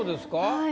はい。